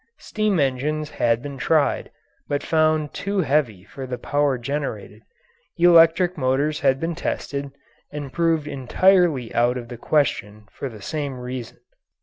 Steam engines had been tried, but found too heavy for the power generated; electric motors had been tested, and proved entirely out of the question for the same reason.